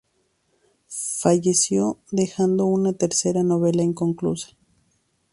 Falleció dejando una tercera novela inconclusa.